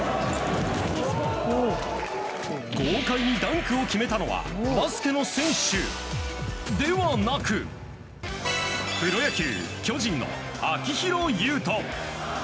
豪快にダンクを決めたのはバスケの選手ではなくプロ野球、巨人の秋広優人。